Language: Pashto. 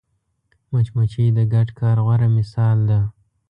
مچمچۍ د ګډ کار غوره مثال ده